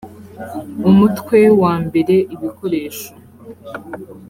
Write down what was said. umutwe wa mbere ibikoresho